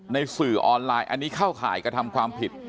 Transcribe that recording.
สื่อออนไลน์อันนี้เข้าข่ายกระทำความผิด